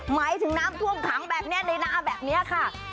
หมายถึงน้ำท่วมขังแบบนี้ในนาแบบนี้ค่ะ